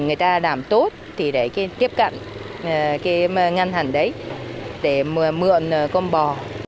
để người ta làm tốt thì để tiếp cận cái ngăn hàng đấy để mượn con bò